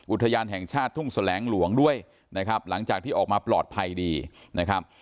อุทยานแห่งชาติทุ่งแสลงหลวงด้วยนะครับหลังจากที่ออกมาปลอดภัยดีนะครับ